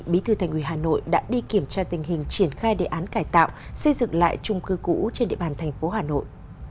bí thư thành ủy hà nội đã đi kiểm tra tình hình triển khai đề án cải tạo xây dựng lại trung cư cũ trên địa bàn thành phố hà nội